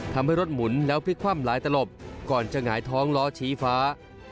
ทำให้รถหมุนแล้วพลิกคว่ำหลายตลบก่อนจะหงายท้องล้อชี้ฟ้า